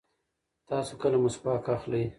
تاسو کله مسواک اخلئ؟